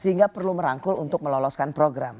sehingga perlu merangkul untuk meloloskan program